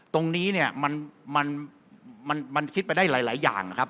ตรงนี้มันคิดไปได้หลายหลายอย่างนะครับ